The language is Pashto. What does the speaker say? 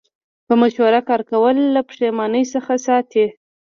په مشوره کار کول له پښیمانۍ څخه ساتي.